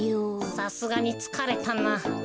さすがにつかれたな。